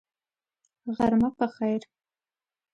غرمه په خیر !